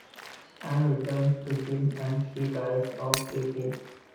Ann returns to Jim and she drives off with him.